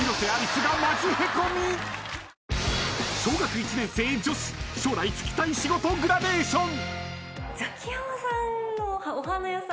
［小学１年生女子将来就きたい仕事グラデーション］